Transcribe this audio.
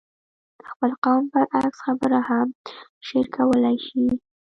د خپل قوم برعکس خبره هم شعر کولای شي.